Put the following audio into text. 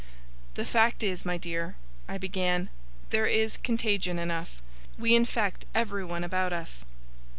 'The fact is, my dear,' I began, 'there is contagion in us. We infect everyone about us.